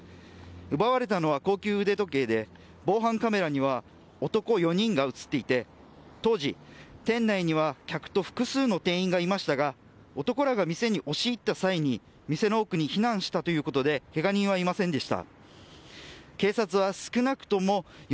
奪われたのは高級腕時計で防犯カメラには男４人が映っていて当時、店内には客と複数の店員がいましたが男らが店に押し入った際に店の奥に避難したということでけが人はいませんでした。